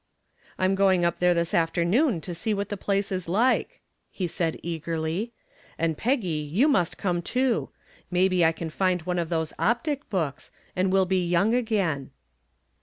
"I'm going up there this afternoon to see what the place is like," he said eagerly. "And, Peggy, you must come too. Maybe I can find one of those Optic books, and we'll be young again."